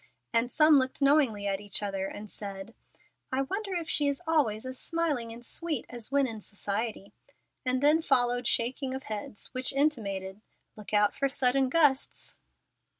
And some looked knowingly at each other and said: "I wonder if she is always as smiling and sweet as when in society;" and then followed shaking of heads which intimated, "Look out for sudden gusts."